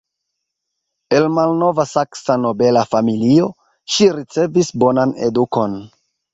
El malnova Saksa nobela familio, ŝi ricevis bonan edukon.